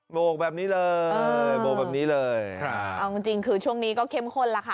โบกแบบนี้เลยโบกแบบนี้เลยครับเอาจริงจริงคือช่วงนี้ก็เข้มข้นแล้วค่ะ